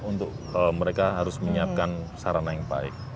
untuk mereka harus menyiapkan sarana yang baik